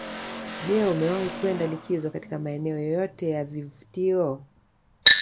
Je umewahi kwenda likizo katika maeneo yoyote ya vivutio